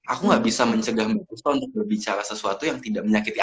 aku gak bisa mencegah mbak kusto untuk berbicara sesuatu yang tidak menyakiti